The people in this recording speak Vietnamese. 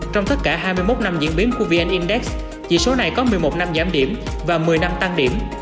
trong tất cả hai mươi một năm diễn biến của vn index chỉ số này có một mươi một năm giảm điểm và một mươi năm tăng điểm